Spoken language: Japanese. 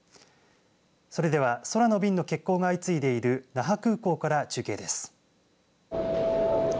それでは空の便の欠航が相次いでいる那覇空港から中継です。